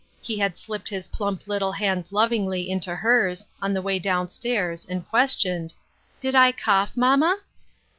He had slipped his plump little hand lovingly into hers, on the way down stairs, and questioned, "Did I cough, mamma?"